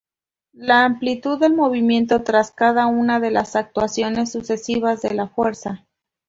La amplitud del movimiento tras cada una de las actuaciones sucesivas de la fuerza.